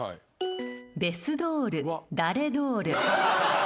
ベスドールダレドール。